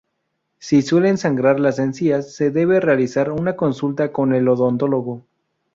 Si suelen sangrar las encías se debe realizar una consulta con el odontólogo.